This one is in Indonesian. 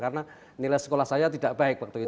karena nilai sekolah saya tidak baik waktu itu